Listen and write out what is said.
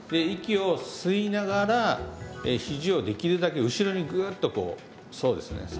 息を吸いながらひじをできるだけ後ろにグッとこうそうですね